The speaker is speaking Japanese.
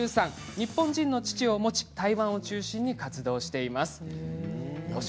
日本人の父を持ち台湾を中心に活動しています。